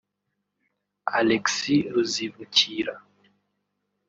Alexis Ruzibukira